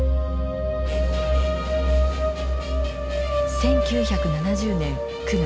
１９７０年９月。